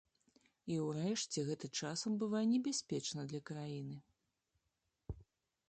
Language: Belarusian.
І ўрэшце гэта часам бывае небяспечна для краіны.